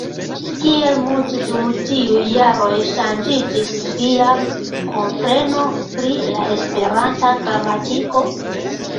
Kiel multe dum tiuj jaroj ŝanĝiĝis via kompreno pri la Esperanta gramatiko?